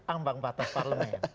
ambang batas parlemen